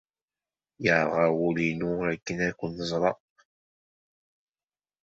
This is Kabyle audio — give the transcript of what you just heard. Yerɣa wul-inu akken ad ken-ẓreɣ.